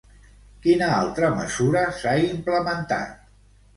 Quina altra mesura s'ha implementat?